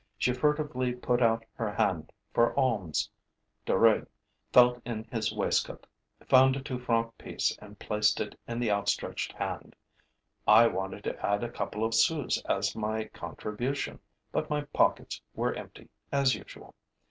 She furtively put out her hand for alms. Duruy felt in his waistcoat, found a two franc piece and placed it in the outstretched hand; I wanted to add a couple of sous as my contribution, but my pockets were empty, as usual.